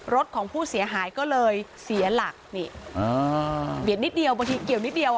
รถของผู้เสียหายก็เลยเสียหลักนี่อ่าเบียดนิดเดียวบางทีเกี่ยวนิดเดียว